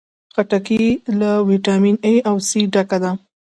خټکی له ویټامین A او C ډکه ده.